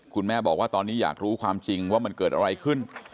คุณแม่บอกว่าตอนนี้อยากรู้ความจริงว่ามันเกิดอะไรขึ้น